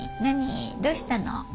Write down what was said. どうしたの？